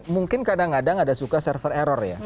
mungkin kadang kadang ada suka server error ya